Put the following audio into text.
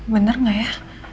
bener gak ya